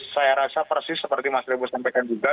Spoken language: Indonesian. saya rasa persis seperti mas revo sampaikan juga